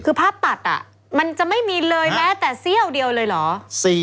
คือภาพตัดมันจะไม่มีเลยแม้แต่เสี้ยวเดียวเลยเหรอ